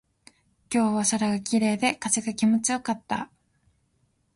今日は空が綺麗で、風が気持ちよかった。